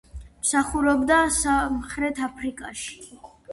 მსახურობდა სამხრეთ აფრიკაში.